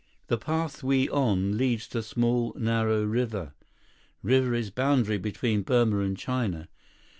Thus path we on leads to small, narrow river. River is boundary between Burma and China.